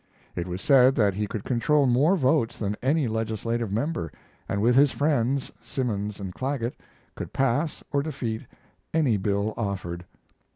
It was said that he could control more votes than any legislative member, and with his friends, Simmons and Clagget, could pass or defeat any bill offered.